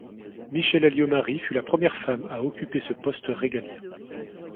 Michèle Alliot-Marie fut la première femme à occuper ce poste régalien.